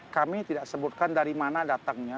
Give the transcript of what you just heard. kami tidak sebutkan dari mana datangnya